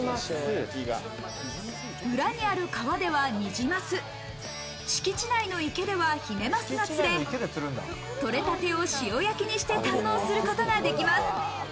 裏にある川ではにじ鱒、敷地内の池ではヒメマスが釣れ、とれたてを塩焼きにして堪能することができます。